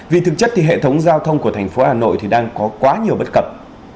vì thực chất thì hệ thống giao thông của thành phố hà nội đang có quá nhiều bất cập